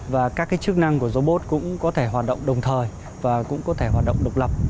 và các chức năng của robot cũng có thể hoạt động đồng thời và cũng có thể hoạt động độc lập